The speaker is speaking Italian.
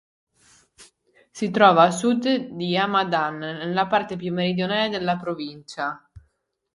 Si trova a sud di Hamadan, nella parte più meridionale della provincia.